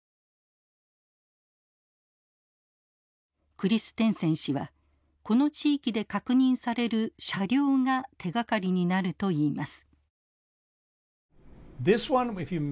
クリステンセン氏はこの地域で確認される車両が手がかりになるといいます。